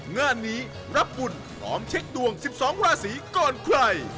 งานนี้รับบุญพร้อมเช็คดวง๑๒ราศีก่อนใคร